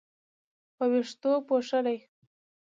په وېښتو پوښلې